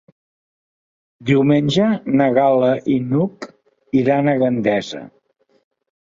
Diumenge na Gal·la i n'Hug iran a Gandesa.